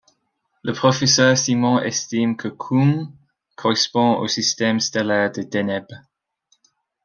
Le professeur Simon estime que Koum correspond au système stellaire de Deneb.